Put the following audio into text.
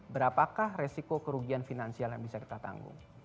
berapakah resiko kerugian finansial yang bisa kita tanggung